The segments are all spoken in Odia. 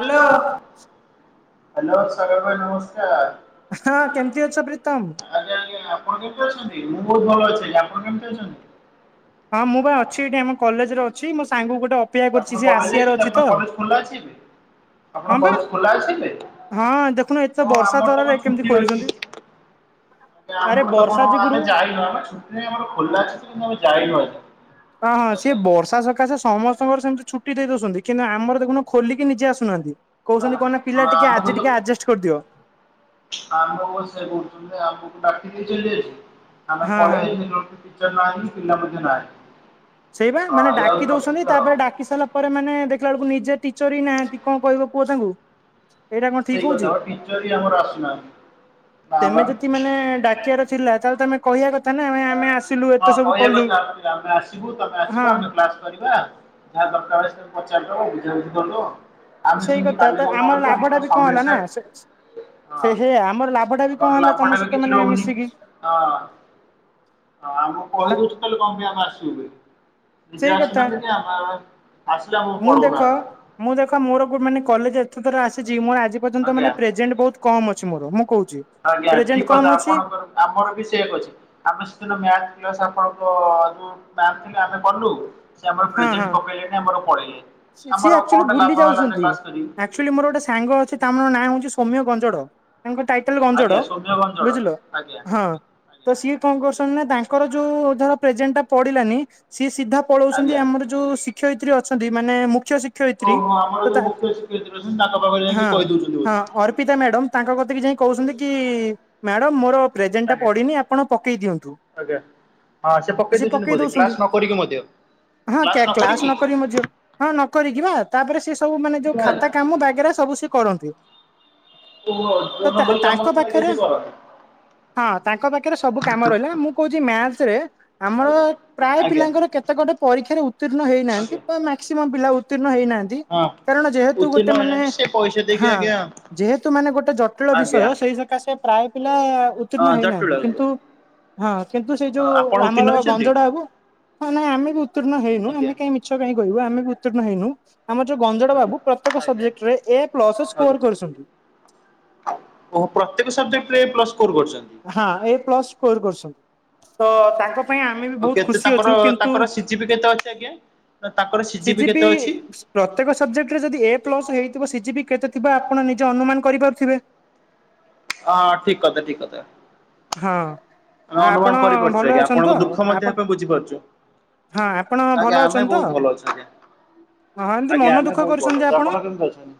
Hello hello. ହାଲୋ, ସାଗର ଭାଇ ନମସ୍କାର। ହଁ, କେମିତି ଅଛ ପ୍ରୀତମ୍? ଆଜ୍ଞା ଆଜ୍ଞା, ଆପଣ କେମିତି ଅଛନ୍ତି? ମୁଁ ବହୁତ୍ ଭଲ ଅଛି। ଆପଣ କେମିତି ଅଛନ୍ତି? ହଁ, ମୁଁ ବା ଅଛି ଏଠି ଆମ କଲେଜରେ ଅଛି, ମୋ ସାଙ୍ଗ ଗୋଟେ ଅ ଆପଣ କଲେଜ ଯାଇଛନ୍ତି? ଆପଣଙ୍କ କଲେଜ ଖୋଲା ଅଛି ଏବେ? ଆପଣଙ୍କ ହଁ ବା କଲେଜ ଖୋଲା ଅଛି ଏବେ? ହଁ ଦେଖୁନୁ ଏତେ କଣ, ବର୍ଷା ଆମର ତ ତରାରେ କଣ କେମିତି ଛୁଟି ଅଛି। ଖୋଲୁଛନ୍ତି। ଆରେ ଆମର ତ ବର୍ଷା କଣ, ଯୋଗୁରୁ ଆମେ ଯାଇନୁ ଆମେ ଛୁ ଟି ନାଇଁ, ଆମର ଖୋଲା ଅଛି ସେ କିନ୍ତୁ ଆମେ ଯାଇନୁ ଆଉ। ହଁ ହଁ, ସିଏ ବର୍ଷା ସକାଶେ ସମ ତମର ସେମିତି ଛୁଟି ଦେଇ ଦଉଛନ୍ତି କିନ୍ତୁ ଆମର ଦେଖୁନ ଖୋଲିକି ନିଜେ ଆସୁନାହାନ୍ତି। ହଁ କହୁଛନ୍ତି କଣ ନା, ପିଲା ହଁ ଟିକେ ଆମକୁ ଆଜି ତ ଟିକେ ଆଡଜଷ୍ଟ କରିଦିଅ। ଆମକୁ ସେ କହୁଚନ୍ତି, ଆମକୁ ଡାକି ଦେଇଚନ୍ତି [unintelligible] ଆମେ ହଁ ହଁ। ପଳେଇ ଟିଚର୍ ନାହାନ୍ତି, ପିଲା ମଧ୍ୟ ନାହାନ୍ତି। ସେଇବା ହଁ ମାନେ ଏଇଆ ଡାକି ହଉଛି ଦଉଛନ୍ତି, ଅସୁବିଧା ତାପରେ ଆଉ। ଡାକି ସାରିଲା ପରେ ମାନେ ଦେଖିଲା ବେଳକୁ ନିଜେ ଟିଚର ହିଁ ନାହାନ୍ତି, କଣ କହିବ କୁହ ତାଙ୍କୁ? ଏଇଟା କଣ ଠିକ୍ ସେଇ ହଉଚି? କଥା ବା ଟିଚର ହିଁ ଆମର ଆସୁନାହାନ୍ତି। ନା ବା ତେମେ ଯଦି ମାନେ ଡାକିଆର ଥିଲା, ତାହେଲେ ତମେ କହିଆ କଥା ନା। ଆମେ ଆସିଲୁ, ଏତେ ସବୁ କଲୁ, ଏ ଆମେ ଆସିବୁ ତମେ ହଁ ଆସିବ ଆମେ କ୍ଲାସ୍ କରିବା। ଯାହା ଦରକାର ବେଳେ ସେ ପଚାରିଦବ ବୁଝାବୁଝି କରିଦବ। ଆମେ ସେଇ ଯେମିତି କଥା କାଲି ତ ଗଲା ବେଳକୁ ଲାଭ ଟା ଆମର ବି କଣ ସମୀର ହେଲା ନା ସାର୍। ସେ ହଁ ସେ ହେଇଆ ଆମର ଲାଭ ଟା ବି କଣ ଆମର ହେଲା ତମ ଲାଭଟାରେ ସହିତ କିଛି ମାନେ ରହୁନି ମିଶିକି ହଁ। ହଁ ଆମକୁ କହି ଦଉଛୁ ତାହେଲେ କଣ ପାଇଁ ଆମେ ଆସିବୁ ବୋଲି। ନିଜେ ସେଇ କଥା ଆସନ୍ତି ନି ଆମର ଆସିଲେ ଆମେକୁ ମୁଁ ଦେଖ ପଢଉନାହାନ୍ତି। ମୁଁ ଦେଖ ମୋର ଗୋ ମାନେ କଲେଜ ଏତ ଥର ଆସିଚି। ମୋର ଆଜି ପର୍ଯ୍ୟନ୍ତ ମାନେ ଆଜ୍ଞା। ପ୍ରେଜେଣ୍ଟ୍ ବହୁତ କମ୍ ଅଛି ମୋର ମୁଁ କହୁଚି। ଆଜ୍ଞା ଠିକ୍ କଥା ଆପଣଙ୍କର ଆମର ବି ସେଭ୍ ଅଛି ଆମେ ସେଦିନ୍ ମ୍ୟାଥ୍ କ୍ଲାସ୍ ଆପଣଙ୍କ ତାରି ଦିନ ଆମେ କଲୁ। ସେ ଆମର ହଁ ପ୍ରେଜେଣ୍ଟ୍ ହଁ ପକେଇଲେନି ଆମର ପଢେଇଲେ। ସିଏ ଆମର ଆକ୍ଚୁଆଲି କଣଟା ଭୁଲି ଲାଭ ହେଲା ଯେ ଯାଉଛନ୍ତି। ପାଶ୍ କରି କି। ଆକ୍ଚୁଆଲି ମୋର ଗୋଟେ ସାଙ୍ଗ ଅଛି ତାଙ୍କର ନାଁ ହଉଛି ସୋମ୍ୟ ଗଞ୍ଜଡ। ତାଙ୍କର ଟା ଟାଇଟେଲ୍ ଆଜ୍ଞା ଗଞ୍ଜଡ ସୌମ୍ୟ ଗଞ୍ଜଡ଼ ବୁଝିଲ ଆଜ୍ଞା। ହଁ। ତ ଆଜ୍ଞା ସିଏ କଣ କରୁଛନ୍ତି ନା ତାଙ୍କର ଯୋଉ ଧର ପ୍ରେଜେଣ୍ଟଟା ପଡିଲାନି ସିଏ ସିଧା ପଳୋ ଉଚନ୍ତି ଆଜ୍ଞା। ଆମର ଯୋଉ ଶିକ୍ଷୟିତ୍ରୀ ଅଛନ୍ତି‌। ମାନେ ମୁଖ୍ୟ ଶି ଶିକ୍ଷୟତ୍ରୀ ଓହୋ ଆମର ଯୋଉ ତଥା ମୁଖ୍ୟ ଶିକ୍ଷୟତ୍ରୀ ଅଛନ୍ତି ତାଙ୍କ ପାଖରେ ଯାଇକି ହଁ କହିଦଉଛନ୍ତି ହଁ ବୋଧେ। ଅର୍ପିତା ମ୍ୟାଡ଼ାମ୍। ତାଙ୍କ କତି କି ଯାଇ କହୁଛନ୍ତି କି ମ୍ୟାଡ଼ାମ୍ ମୋର ପ୍ରେଜେଣ୍ଟ୍ ଆଜ୍ଞା ପଡିନି ଆପଣ ପକେଇ ଦିଅନ୍ତୁ। ଆଜ୍ଞା ହଁ ସେ ପକେଇ ଦଉଚନ୍ତି ବୋଧେ କ୍ଲାସ ନ କରିକି ମଧ୍ୟ। ହଁ ନ କ୍ଲାସ୍ କରିକି ନକରି କି ମୋ ଝିଅ ହଁ ନକରି କି ବା। ତାପରେ ସେ ସବୁ ମାନେ ଯୋଉ ଭାଇ ଖାତା କାମ ବାଗେରା ସବୁ ସିଏ କରନ୍ତି। କୋଉ ତ ଅର୍ଜନ କରି ତାଙ୍କ କାମ ସେ ଆଜ୍ଞା ପାଖରେ ସେ କରନ୍ତି। ହଁ ତାଙ୍କ ପାଖରେ ସବୁ କାମ ରହିଲା। ମୁଁ କହୁଛି ମ୍ୟାଥରେ ଆମର ଆଜ୍ଞା ପ୍ରାୟ ଆଜ୍ଞା ପିଲାଙ୍କର କେତେ ଗୋଟେ ପରୀକ୍ଷାରେ ଉତ୍ତୀର୍ଣ୍ଣ ହେଇନାହାନ୍ତି। ଆଜ୍ଞା। ପର୍ ଅଁ ମ୍ୟାକ୍ସୟମ୍ ପିଲା ଉତ୍ତୀର୍ଣ ହେଇନାହାନ୍ତି। ହଁ କାରଣ ଯେହେତୁ ଗୋଟେ ଉତ୍ତୀର୍ଣ୍ଣ ମାନେ ହେଇନାହାନ୍ତି ସେ ପଇସା ଦେଇକି ହଁ। ଆଜ୍ଞା ଯେହେତୁ ମାନେ ଗୋଟେ ଜଟିଳ ଆଜ୍ଞା ବିଷୟ ସେଇ ସକାଶେ ପ୍ରାୟ ପିଲା ଉତ୍ତୀର୍ଣ୍ଣ ହଁ ଜଟୁଳ ହେଇନାହାନ୍ତି। ବାବୁ କିନ୍ତୁ ହଁ କିନ୍ତୁ ସେଇ ଯୋଉ ଆପଣ ଉତ୍ତୀର୍ଣ୍ଣ ଆମର ହେଇଛନ୍ତି? ଗଞ୍ଜଡା ବାବୁ ହଁ ନାଁ ଆମେ ବି ଉତ୍ତୀର୍ଣ୍ଣ ହେଇନୁ। ଆଜ୍ଞା ଆମେ କାଇଁ ମି ମିଛ କାହିଁ କହିବୁ ଆମେ ଉତ୍ତୀର୍ଣ୍ଣ ହେଇନୁ। ଆମର ଯୋଉ ଗଞ୍ଜଡ ଆଜ୍ଞା ବାବୁ ପ୍ରତ୍ୟେକ ସବଜେକ୍ଟରେ ଆଜ୍ଞା ଏ ପ୍ଲସ ସ୍କୋର କରୁଛନ୍ତି। ଓ ପ୍ରତ୍ୟେକ ସବଜେକ୍ଟରେ ଏ ପ୍ଲସ୍ ସ୍କୋର କରିଚନ୍ତି। ହଁ ଏ ପ୍ଲସ୍ ସ୍କୋର କରୁଛନ୍ତି। ତ ତାଙ୍କ ପାଇଁ ଆମେ ବି ଆଉ ବହୁତ କେତେ ଖୁସି ତାଙ୍କର ଅଛୁ। କିନ୍ତୁ ତାଙ୍କର ସିଜିପି କେତେ ଅଛି ଆଜ୍ଞା? ନା ତାଙ୍କର ସିଜିପି କେତେ ସିଜିିପିଏ ଅଛି? ପ୍ରତ୍ୟେକ ସବଜେକ୍ଟରେ ଯଦି ଏ ପ୍ଲସ୍ ହେଇଥିବ ସି ଜିପି କେତେ ଥିବ ଆପଣ ନିଜେ ଅନୁମାନ କରିପାରୁଥିବେ। ହଁ ଠିକ୍ କଥା ଠିକ୍ କଥା। ହଁ ଆମେ ଆପଣ ଅନୁମାନ କରିପାରୁଛୁ ଭଲ ଆଜ୍ଞା ଅଛନ୍ତି ତ। ଆପଣଙ୍କ ଦୁଃଖ ମଧ୍ୟ ଆପଣ ଆମେ ବୁଝିପାରୁଛୁ। ହଁ ଆପଣ ଆଜ୍ଞା ଭଲ ଆମେ ଅଛନ୍ତି ତ। ବହୁତ ଭଲ ଅଛୁ ଆଜ୍ଞା। ହଁ ଏମିତି ଆଜ୍ଞା ମନ ଆମେ ଦୁଃଖ ବହୁତ ଭଲ କରୁଛନ୍ତି ଅଛୁ ଆପଣ। କେମିତି ଅଛନ୍ତି?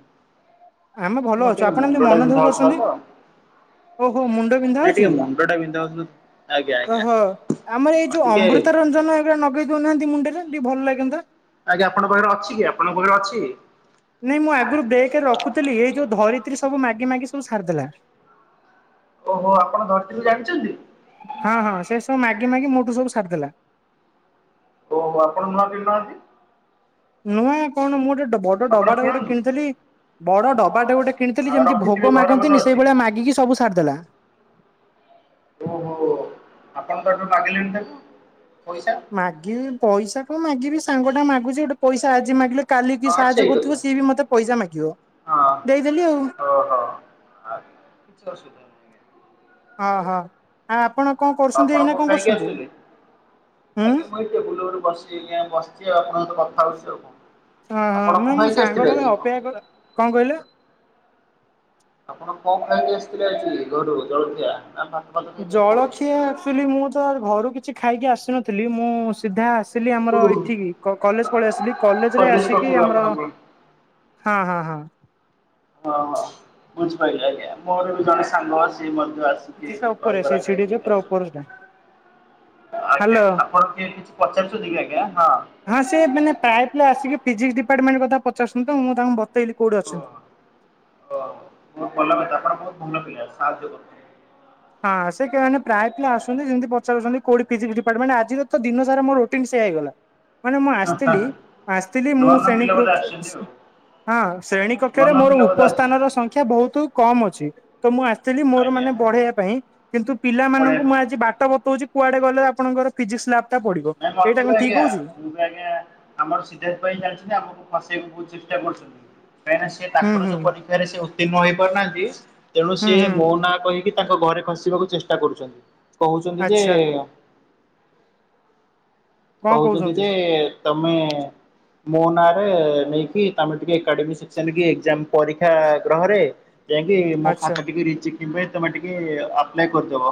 ଆମେ ଭଲ ମୋର ଅଛୁ ଟିକେ ଆପଣ ମୁଣ୍ଡ ଏମିତି ଟା ମନ ବିନ୍ଧା ଦୁଃଖ ହଉଥିଲା କରଛନ୍ତି। ତ ଓହୋ ମୁଣ୍ଡ ବିନ୍ଧା ହଉ ନାଇଁ ଟିକେ ମଣ୍ଡଟା ବିନ୍ଧା ହଉଥିଲା ତ। ଓହୋ ଆମର ଏଇ ଯୋଉ ଟିକେ ଅମୃତ ରଞ୍ଜନ ପୁରା ନଗେଇ ଦଉନାହାନ୍ତି ମୁଣ୍ଡରେ ଟିକେ ଭଲ ଲାଗନ୍ତା। ଆଜ୍ଞା ଆପଣଙ୍କ ପାଖରେ ଅଛି କି ଆପଣଙ୍କ ପାଖରେ ଅଛି। କୁଥିଲ ଏଇ ଯୋଉ ଧରିତ୍ରୀ ସବୁ ମାଗି ମାଗି ସବୁ ସାରିଦେଲା। ଓହୋ ଆପଣ ଧରିତ୍ରୀକୁ ଜାଣିଛନ୍ତି। ହଁ ହଁ ସେ ସବୁ ମାଗି ମାଗି ମୋଠୁ ସବୁ ସାରିଦେଲା। ଓ ହ ଆପଣ ନୁଆ ପିନାହାନ୍ତି। ନୁଆଁ କଣ ମୁଁ ଗୋଟେ ବଡ ଆପଣ ଡବାଟେ ଗୋଟେ କିଣନ୍ତୁ। କିଣିଥିଲି। ବଡ ଡବାଟେ ଗୋଟେ କିଣିଥିଲି ଆଉ ଯେମିତି ରଖିଥିବେ ଭୋଗ ଘରେ ବୋଧେ ମାଗନ୍ତିନି ଅଛି ସେଇଭଳିଆ ମାଗିକି ସବୁ ସାରିଦେଲା। ଓହୋ ଆପଣ ତ ଏଠୁ ମାଗିଲେଣି ତାକୁ ପଇସା। ମାଗିବି ପଇସା କଣ ମାଗିବି ସାଙ୍ଗଟା ମାଗୁଛି ଗୋଟେ ପଇସା ଆଜି ମାଗିଲେ କାଲିକି ହଁ ସାହାଯ୍ୟ ସେଇ କଥା କରୁଥିବ ସିଏ ବି ମତେ ପଇସା ମାଗିବ ଦେଇଦେଲି ଆଉ। ହଁ ଓହୋ ଆ କିଛି ଅସୁବିଧା ନାହିଁ। ଅ ହ ଆଉ ଆପଣ କଣ କରୁଛନ୍ତି ଆପଣ ଏଇନା କଣ ଖାଇକି କରୁଛନ୍ତି ହୁଁ? ବୁଲୁବୁଲୁ ବସି ବସିଛି ଆପଣଙ୍କ କଥା ହଉଛି ଆଉ କଣ? ଓହଁ ଆପଣ କଣ ମାନେ ମଁ ଖାଇକି ଆସିଥିଲେ ସାଙ୍ଗ ପାଖ ଆଜି? ଅପେକ୍ଷା କ କଣ କହିଲ? ଆପଣ କଣ ଖାଇକି ଆସିଥିଲେ ଆଜି ଘରୁ ଜଳଖିଆ ନା ଭା? ଜଳଖିଆ ଆଚୁଆଲି ମୁଁ ତ ଘରୁ କିଛି ଖାଇକି ଆସିନଥିଲି ମୁଁ ସିଧା ଆସି ଥିଲି ଓ ଆମର ଏଠିକି କ କଲେଜ ପଳେଇ ଆସିଲି କଲେଜରେ କଲେଜ ଆସିକି ପାଖରୁ ଆମର ଆପଣଙ୍କର? ହଁ ହଁ ହଁ। ହଁ ହଁ ବୁଝିପାଇଲି ଆଜ୍ଞା ମୋର ବି ଜଣେ ସାଙ୍ଗ ଅଛି ମଧ୍ୟ ଆସେ। ଫିଜିକ୍ସ ଟା ଉପରେ ସେ ସିଡି ଯେ ପୁରା ଉପର ଟା। ଆଜ୍ଞା ଆପଣ କିଏ କିଛି ପଚାରୁଛନ୍ତି କି ଆଜ୍ଞା ହଁ। ହଁ ସେ ମାନେ ପ୍ରାୟ ପିଲା ଆସିକି ଫିଜିକ୍ସ ଡିପାର୍ଟମେଣ୍ଟ କଥା ପଚାରୁଛନ୍ତି ତ ମୁଁ ତାଙ୍କୁ ବତେଇଲି କୋଉଠି ଅଛନ୍ତି। ଓ ବହୁତ ଭଲ କଥା ଆପଣ ବହୁତ ଭଲ ପିଲା ସାହାଯ୍ୟ କରୁ ହଁ ସେ କେ ପ୍ରାୟ ପିଲା ଆସୁଛନ୍ତି ଯେମିତି ପଚାରୁଛନ୍ତି କୋଉଠି ଫିଜିକ୍ସ ଡିପାଟମେଣ୍ଟ ଆଜିର ତ ଦିନ ସାରା ମୋର ଟିନ ସେଆହେଇଗଲା ମାନେ ମୁଁ ହାଁ ଆସିଥିଲି ହାଁ ଆସିଥିଲି ମୁଁ ନୂଆ ନୂଆ ଶ୍ରେଣୀ ପିଲା ବୋଧେ ଆସିଛନ୍ତି ଆଉ। କୃକ୍ଷ୍ୟ ହଁ ଶ୍ରେଣୀ ନୂଆ କକ୍ଷରେ ନୂଆ ମୋର ପିଲା ବୋଧେ ଉପସ୍ଥାନ ଆସିଛନ୍ତି। ର ସଂ ସଂଖ୍ୟା ବହୁତ କମ ଅଛି ତ ମୁଁ ଆସିଥିଲି ମୋର ଆଜ୍ଞା। ମାନେ ବଢେଇଆ ପାଇଁ କିନ୍ତୁ ପଢିବା ପିଲାମାନଙ୍କୁ ମୁଁ ଆଜି ବାଟ ବତଉଛି କୁଆଡେ ପାଇଁ। ଗଲେ ଆପଣଙ୍କର ଫିଜିକ୍ସ ଲାବ୍ ଟା ପଡିବ ନାଇଁ ମତେ ଏଇଟା ବି କଣ ଆଜ୍ଞା ଠିକ ହଉଛି? ମୁଁ ଆଜ୍ଞା ଆମର ସିଧାର୍ଥ ଭାଇ ଜାଣିଛନ୍ତି ଆମକୁ ଫସେଇବାକୁ ବହୁତ ଚେଷ୍ଟା କରୁଛନ୍ତି। କାହିଁକି ନା ସେ ହୁଁ ତାଙ୍କର ହୁଁ ଯୋଉ ପରୀକ୍ଷାରେ ସେ ଉତ୍ତୀର୍ଣ ହେଇ ପାରୁନାହାନ୍ତି ତେଣୁ ହୁଁ ସିଏ ହୁଁ ମୋ ନା କହିକି ତାଙ୍କ ଘରେ ଖସିବାକୁ ଚେଷ୍ଟା କରୁଛନ୍ତି କହୁଛନ୍ତି ଯେ ଆଚ୍ଛା। କହୁଛନ୍ତି ଯେ ତମେ ମୋ ନାଁରେ ନେଇକି ତମେ ଟିକେ ଏକାଡେମି ସେକ୍ସନ କି ଏକ୍ଜାମ ପରୀକ୍ଷା ଗ୍ରହରେ ଯାଇକି ମୋ ଆଚ୍ଛା ଖାତା ଟିକେ ରିଚେକିଂ ପାଇଁ ତମେ ଟିକେ ଆପ୍ଲାଏ କରିଦବ।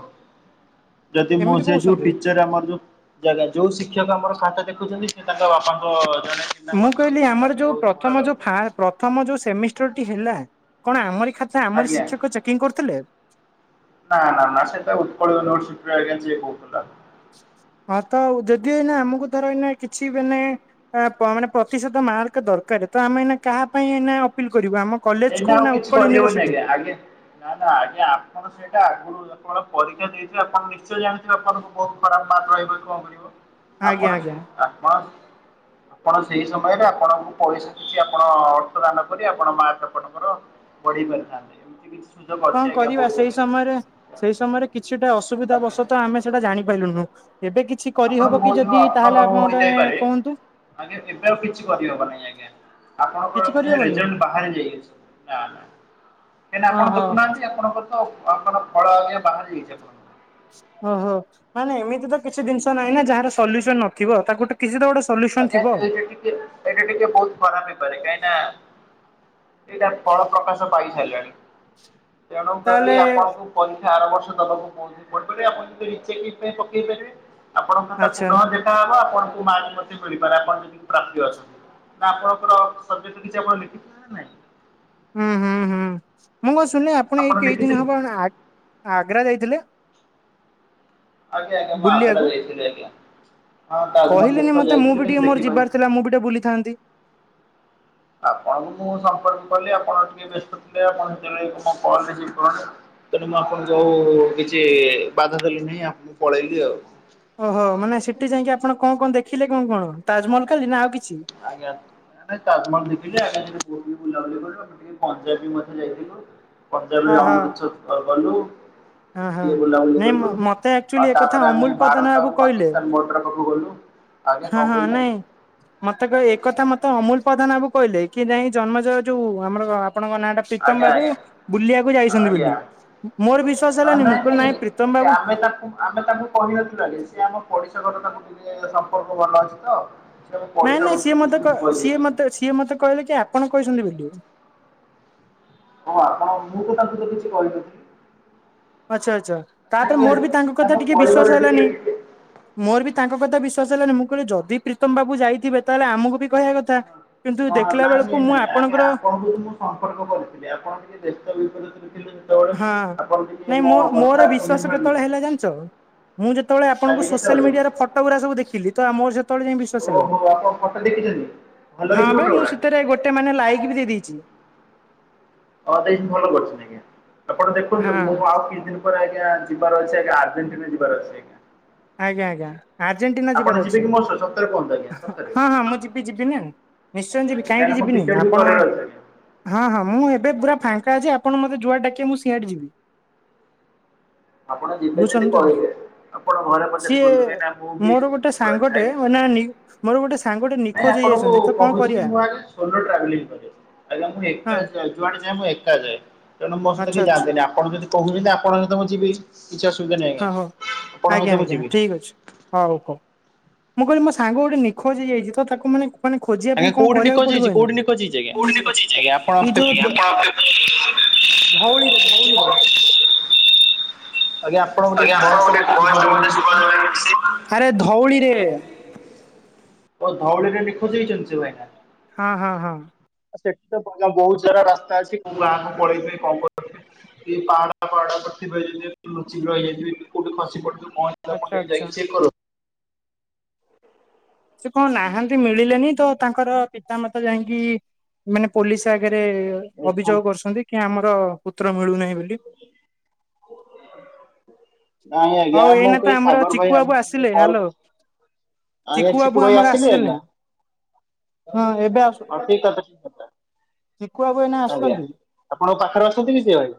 ଯଦି ଏମିତି ମୋର ସେ କହୁଛନ୍ତି। ଯୋଉଟିଚର ଆମର ଯୋଉ ଜାଗା ଯୋଉ ସି ଶିକ୍ଷକ ଆମର ଖାତା ଦେଖୁଛନ୍ତି ସେ ତାଙ୍କ ବାପାଙ୍କ ଜଣେ ଚିହ୍ନା ମୁଁ ପରିଚୟ କହିଲି ହେଇଥିବ ତାକୁ ଆମର ଯୋଉ ବହୁତ ଭୟ ପ୍ରଥମ ଯୋଉ ଲାଗୁଛି। ଫା ପ୍ରଥମ ଯୋଉ ସେମିଷ୍ଟର ଟି ହେଲା କଣ ଆମରି ଖା ତା ଆମରି ଆଜ୍ଞା ଶିକ୍ଷକ ଚେକିଂ କରୁଥିଲେ। ନା ନା ନା ସେଟା ଉତ୍କଳ ୟୁନିଭରସିଟିରୁ ଆଜ୍ଞା ଚେକ୍ ହଉଥିଲା। ହଁ ତ ଆଉ ଯଦି ଏଇନା ଆମକୁ ଧର ଏଇନା କିଛି ମାନେ ବାପା ପ୍ରତିଶତ ମାର୍କ ଦରକାର ତ ଆମେ ଏଇନା କାହା ପାଇଁ ଏଇନା ଅପିଲ କରିବୁ ଆମ କଲେଜ କୁ ସେଇଟା ଆଉ ନା କିଛି ଉତ୍କଳ କରିହେବନି ୟୁନିଭର୍ସିଟି ଆଜ୍ଞା କୁ ଆଗେ ନା ନା ଆଗେ ଆପଣ ସେଇଟା ଆଗରୁ ତୁମର ପରୀକ୍ଷା ଦେଇଥିଲେ ଆପଣ ନିଶ୍ଚୟ ଜାଣିଥିବେ ଆପଣଙ୍କୁ ବହୁତ ଖରାପ ମାର୍କ ରହିବ କଣ କରିବ? ଆଜ୍ଞା ଆପଣ ଆଜ୍ଞା ସେ ଆପଣ ଆପଣ ସେଇ ସମୟରେ ଆପଣଙ୍କୁ ପଇସା କିଛି ଆପଣ ଅର୍ଥଦାନ କରି ଆପଣ ମାର୍କ ଆପଣଙ୍କର ବଢେଇ ପାରିଥାନ୍ତେ ଏମିତି କି କଣ କରିବା ସେଇ ସମୟରେ। ସେଇ ସମୟରେ କିଛିଟା ଅସୁବିଧା ଆଜ୍ଞା ବଶତଃ ଆମେ ସେଇଟା ଜାଣିପାଇଲୁନୁ ଏବେ କି ଛି ଆପଣଙ୍କୁ କରିହବ କି ବହୁତ ଯଦି ଅର୍ଥ ତାହେଲେ ଅଭାବ ଆପଣ ମତେ ହୋଇଯାଇପାରେ କୁହନ୍ତୁ। ଆଜ୍ଞା ଏବେ ଆଉ କିଛି କରିହବ ନାହିଁ ଆଜ୍ଞା। ଆପଣଙ୍କର କିଛି ମାନେ କରିହବନି? ରେଜଲ୍ଟ ବାହରି ଯାଇଛି ନା ନା। କାହିଁ ନା ହଁ ଆପଣ ହଁ ଦେଖୁନାହାନ୍ତି ଆପଣଙ୍କର ତ ଆପଣ ଫଳ ଆଜ୍ଞା ବାହାରି ଯାଇଛି ଆପଣ। ଓହୋ ମାନେ ଏମିତି ତ କିଛି ଜିନିଷ ନାହିଁ ନା ଯାହାର ସଲ୍ୟୁସନ ନଥିବ ତାକୁ ଟି କିଛି ତ ଗୋଟେ ସଲ୍ୟୁସନ୍ ଥିବ। ଏ ଟିକେ ଏଇଟା ଟିକେ ବହୁତ ଖରାପ ହେଇପାରେ କାହିଁକି ନା ଏଇଟା ଫଳ ପ୍ରକାଶ। ପାଇ ସାରିଲାଣି ତେଣୁ ତାହେଲେ କରି ଆପଣଙ୍କୁ। ପରୀକ୍ଷା ଆର ବର୍ଷ ଦବାକୁ [unintelligible] ପଡିପାରେ ଆପଣ ରିଚେକିଙ୍ଗ ପାଇଁ ପକେଇ ପାରିବେ। ଆପଣଙ୍କ ଖାତା ଆଚ୍ଛା ପୁନଃ ଦେଖାହବ ଆପଣଙ୍କୁ ମାର୍କ ମ ମିଳିପାରେ ଆପଣ ଯଦି ପ୍ରାପ୍ୟ ଅଛନ୍ତି ନା ଆପଣଙ୍କର ସବଜେକ୍ଟ ରୁ କିଛି ଆପଣ ଲେଖିଥିଲେ ନା ନାହିଁ? ହୁଁ ହୁଁ ହୁଁ ମୁଁ କଣ ଶୁଣିଲି ଆପଣ ଏଇ କେଇଦିନ ହବ ଆ-ଆଗ୍ରା ଯାଇଥିଲେ। ଆଜ୍ଞା ଆଜ୍ଞା ମୁଁ ଆଗ୍ରା ବୁଲିବାକୁ। ଯାଇଥିଲି ଆଜ୍ଞା। ହଁ ତାଜମହଲ କହିଲେନି ଦେଖିବାକୁ ମତେ ମୁଁ ଯାଇଥିଲି ବି ଟିକେ କିନ୍ତୁ ମୋର ଦେଖି ଯିବାର ଥିଲା ମୁଁ ବି ଟିକେ ବୁଲିଥାନ୍ତି। ଆପଣଙ୍କୁ ମୁଁ ସମ୍ପର୍କ କଲି ଆପଣ ଟିକେ ବ୍ୟସ୍ତ ଥିଲେ ଆପଣ ସେତେବେଳେ ମୋ କଲ ରିସିଭ୍ କ ତେଣୁ ମୁଁ ଆପଣ ଯୋଉ କିଛି ବାଧା ଦେଲିନି ଆ ମୁଁ ପଳେଇଲି ଆଉ। ଓହୋ ମାନେ ସେଠି ଯାଇକି ଆପଣ କଣ କଣ ଦେଖିଲେ କଣ କଣ ତାଜମହଲ ଖାଲି ନା ଆଉ କିଛି? ଆଜ୍ଞା। ଆମେ ତାଜମହଳ ଦେଖିଲୁ [unintelligible] ବୁଲାବୁଲି କଲୁ ତାପରେ ଟିକେ ପଞ୍ଜାବ ବି ମଧ୍ୟ ଯାଇଥିଲୁ। ପଞ୍ଜାବରେ ଓହୋ ଅମୃତସର ଅ ଗଲୁ। ହଁ ସେଠି ହଁ। ଟିକେ ବୁଲାବୁଲି ନାଇଁ କଲୁ ମତେ ଆଉ ଆକ୍ଚୁଆଲି ଏକଥା ତାପରେ ଆମେ ଅମୁଲ ପଦନା ଭାରତ ବାବୁ ଆଉ କହିଲେ। ପାକିସ୍ତାନ ବର୍ଡର ପାଖକୁ ଗଲୁ। ଆଜ୍ଞା ହଁ କଣ ହଁ କହିଲେ? ନାଇଁ ମତେ କ ଏକଥା ମ ତ ଅମୁଲ ପ୍ରଧାନ ବାବୁ କହିଲେ କି ନାଇ ଜନ୍ମଜୟ ଯୋଉ ଆମର ଆପଣଙ୍କ ନାଁଟା। ପ୍ରୀତମ ଆଜ୍ଞା ବାବୁ ଆଜ୍ଞା ବୁଲିବାକୁ ଯାଇଛନ୍ତି ଆଜ୍ଞା ବୋଲି। ମୋର ବିଶ୍ଵାସ ହଁ ହେଲାନି ମୁଁ କହିଲି ନାଇଁ ପ୍ରୀତମ ଆଜ୍ଞା ବାବୁ। ଆମେ ତାକୁ ଆମେ ତାଙ୍କୁ କହିନଥିଲୁ ଆଗେ ସେ ଆମ ପଡିଶା ଘର ତାଙ୍କ [unintelligible] ସମ୍ପର୍କ ଭଲ ଅଛି ତ। ସେ ଆମ ପଡ଼ିଶା ଘର ଠୁ [unintelligible] ଶୁଣିକି କହିଦେଇଛନ୍ତି। ତ ସିଏ ମତେ କହିଲେ କି ଆପଣ କହିଛନ୍ତି ଭେଟିବାକୁ। ହଁ ଆପଣ ମୁଁ ତ ତାଙ୍କୁ ତ କିଛି କହିନଥିଲି। ଆଚ୍ଛା ଆଚ୍ଛା ସେ ତାପରେ ମୋର ଟିକେ ବି ତାଙ୍କ କଥା ଟିକେ ବିଶ୍ଵାସ ପରିବାର ହେଲାନି। ଟିକେ ଟିକେ ମୋର ବି ତାଙ୍କ କଥା ବିଶ୍ୱସ ହେଲାନି ମୁଁ କହିଲି ଯଦି ପ୍ରୀତମ ପାଖକୁ ଯାଇଥିବେ ତାହେଲେ ଆମକୁ ବି କହିବା କଥା। କିନ୍ତୁ ହଁ ଦେଖିଲା ନା ବେଳକୁ ନି ମୁଁ ନାଇଁ ଆଜ୍ଞା ଆପଣଙ୍କର ଆପଣଙ୍କୁ ବି ମୁଁ ସମ୍ପର୍କ କରିଥିଲି ଆପଣ ଟିକେ ବ୍ୟସ୍ତ ବିବ୍ରତରେ ଥିଲେ। ସେତେବେଳେ ହଁ ଆପଣ ଟିକେ ନାଇଁ ମୋ କଥା ମୋ-ମୋର ଶୁଣି ବିଶ୍ୱାସ ପାରିଲେନି କେତେବେଳେ ହେଲା ଜାଣିଛ? ମୁଁ ଯେତେବେଳେ କାଲି ଆପଣଙ୍କୁ ସୋସିଆଲ କେତେବେଳେ ମିଡିଆରେ ଫଟୋ ଗୁରା ସବୁ ଦେଖିଲି ତ ଆ ମୋର ସେ ତ ବେଳେ ଯାଇଁ ବିଶ୍ୱାସ ହେଲା ଓହୋ ଆପଣ ଫଟୋ ଦେଖିଛନ୍ତି ଭଲ ହଁ ହେଇଛି ବା ଫଟୋ ମୁଁ ଗୁଡ଼ା ସେ ଭିତରେ ଗୋଟେ ମାନେ ଲାଇକ ବି ଦେଇ ଦେଇଛି। ଅ ଦେଇ ଭଲ କରିଛନ୍ତି ଆଜ୍ଞ ଆପଣ ଦେଖନ୍ତୁ ହଁ ମୁଁ ଆଉ କିଛିଦିନ। [unintelligible] ଆଜ୍ଞା ଯିବାର ଅଛି ଆଜ୍ଞା ଆର୍ଜେଣ୍ଟିନା ଯିବାର ଅଛି ଆଜ୍ଞା। ଆଜ୍ଞା ଆଜ୍ଞା ଆର୍ଜେଣ୍ଟିନା ଆପଣ ଯିବାର ଯିବେ ଅଛି କି ମୋ ସହ ସତରେ କୁହନ୍ତୁ ଆଜ୍ଞା ହଁ ସତରେ ହଁ ହଁ ମୁଁ ଯିବି ଯିବିନି। ନିଶ୍ଚୟ ଯିବି କାହିଁକିନା କାହିଁକି ମୁଁ ଯିବିନି ଟିକେଟ୍ ବି ଆପଣ। କରିବାର ଅଛି ଆଜ୍ଞା ହଁ ହଁ ମୁଁ ଏବେ ପୁରା ଫାଙ୍କା ଅଛି ଆପଣ ମତେ ଯୁଆଡେ ଡାକିବେ ମୁଁ ସିଆଡେ ଯିବି। ଆପଣ ଯିବେ ଯଦି ବୁଝୁଛନ୍ତି ତ କହିବେ ଆପଣ ସିଏ ଘରେ। ମୋର ଗୋଟେ [unintelligible] [unintelligible] ମୋର ଗୋଟେ ସାଙ୍ଗଟେ ନି ନାଇଁ ଆପଣଙ୍କୁ କହୁଛି ଯେ ମୁଁ ଆଗେ ସୋଲୋ ଟ୍ରାଭେଲିଂ କରେ। ମୁଁ ଏକା ହଁ ଯା ଯୁଆଡେ ଯା ମୁଁ ଏକା ଯାଏ ତେଣୁ ମୋ ସହିତ ଆଚ୍ଛା କେହି ଆଚ୍ଛା ଜାଣନ୍ତିନି। ଆପଣ ଯଦି କହୁଛନ୍ତି ଆପଣ ହ ତ ମୁଁ ଯିବି କିଛି ଅସୁବିଧା ନାହିଁ ହଁ ଆଜ୍ଞା ହଉ ଆପଣ ଆଜ୍ଞା ସହିତ ମୁଁ ଆଜ୍ଞା ଯିବି। ଠିକ୍ ଅଛି ହଉ ହଉ ମୁଁ କହିଲି ମୋ ସାଙ୍ଗ ଗୋଟେ ନିଖୋଜ ହେଇଯାଇଛି ତ ତାକୁ ମାନେ ମାନେ ଖୋଜିବା ପାଇଁ ଆଜ୍ଞା କଣ କୋଉଠି କରିବାକୁ ନିଖୋଜ ପଡିବ ହେଇଛି ଏଇନା କୋଉଠି ନିଖୋଜ ହେଇଛି ଆଜ୍ଞା? କୋଉଠେ ହଜିଚିକି ଆଜ୍ଞା ଆପଣ ଏ ଜଉ ଧଉଳିରେ ଧଉଳି ଆଜ୍ଞା ଆପଣଙ୍କ ଆଜ୍ଞା ଟିକେ ଭଏସ ଟା ମତେ ଆପଣଙ୍କ ଶୁଭା ଭଏସ ଟିକେ ଯାଉନି ଠିକ୍ ଶୁଭା ସେ। ଲ ଗଲାନି ଆରେ ଧଉଳିରେ ଓ ଧଉଳିରେ ନିଖୋଜ ହେଇଛନ୍ତି ସେ ଭାଇନା। ହଁ ହଁ ହଁ। ସେଠି ତ ବହୁତ ସାରା ରାସ୍ତା ଅଛି କୋଉ ଗାଁକୁ ପଳେଇ କଣ କରୁ ଏ ପାହାଡ ପାହାଡ କରିଥିବେ ଯଦି ଲୁଚି ରହିଯାଇଥିବ କୋଉଠି ଖସି ପଡଥିବ ଆଚ୍ଛା ପହି ଆଚ୍ଛା। ଯାଇକି ଚେକ୍ କରନ୍ତୁ। ସେ କଣ ନାହାନ୍ତି ମିଳିଲେନି ତ ତାଙ୍କର ତା ମତେ ଯାଇକି ମାନେ ପୋଲିସ ଆଗରେ କରନ୍ତୁ। ଅଭିଯୋଗ କରୁଛନ୍ତି। କି ଆମର ପୁତ୍ର ମିଳୁନାହିଁ ବୋଲି। [inaudible] ନାଇଁ ଆଜ୍ଞା ହଉ ଏଇନା ଆମକୁ ତ କେହି ଆମର ସାଗର ଭାଇ ଚିକୁବାବୁ ଆମକୁ କେହି ଆସିଲେ କଲ। ହ୍ୟାଲୋ ଆଜ୍ଞା ଚିକୁବାବୁ ଚିକୁ ଭାଇ ଆମର ଆସିଲେ ଏଇନା। ହଁ ଏବେ ଆସୁଥିବେ। ହଁ ଠିକ୍ ଅଛନ୍ତି ଚିକୁ ବାବୁ ଏଇନା ଆଜ୍ଞା ଆସୁଛନ୍ତି? ଆପଣଙ୍କ ପାଖରେ ଅଛନ୍ତି କି ସିଏ ଭାଇ।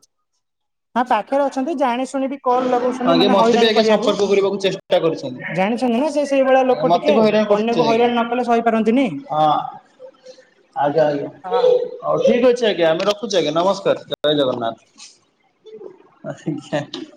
ହଁ ପାଖରେ ଅଛନ୍ତି ଜାଣି ଶୁଣି ବି କଲ ଲଗାଉଛନ୍ତି ଆଜ୍ଞା ମାନେ ମତେ ବି ହଇରାଣ ଆଜ୍ଞା କରିବାକୁ ସମ୍ପର୍କ କରିବାକୁ ଚେଷ୍ଟା କରିଛନ୍ତି। ଜାଣିଛନ୍ତି ନା ସେ ସେଇଭଳିଆ ଆଜ୍ଞା, ଲୋକ ଟିକେ ମତେ ବି ହଇରାଣ କରୁଛନ୍ତି ଅନ୍ୟକୁ ଆଜ୍ଞା ହଇରାଣ ନ କଲେ ସହିପାରନ୍ତିନି। ହଁ ଆଜ୍ଞା ଆଜ୍ଞା। ହଁ। ହଉ ଠିକ୍ ଅଛି ଆଜ୍ଞା ଆମେ ରଖୁଛୁ ଆଜ୍ଞା ନମସ୍କାର ଜୟ ଜଗନ୍ନାଥ। [unintelligible]